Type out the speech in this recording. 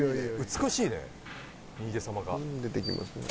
美しいね逃げ様が。出てきますね。